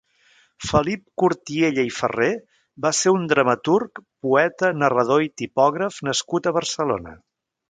Felip Cortiella i Ferrer va ser un dramaturg, poeta, narrador i tipògraf nascut a Barcelona.